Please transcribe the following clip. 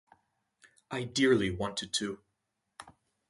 I dearly wanted to.